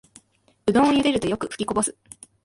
うどんをゆでるとよくふきこぼす